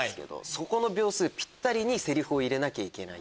そこの秒数ピッタリにセリフを入れなきゃいけない。